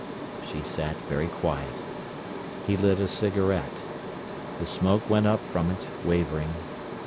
She sat very quiet. He lit a cigarette. The smoke went up from it, wavering.